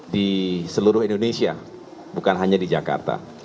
di seluruh indonesia bukan hanya di jakarta